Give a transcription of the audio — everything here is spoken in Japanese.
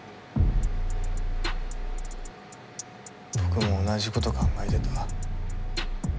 僕も同じこと考えてた。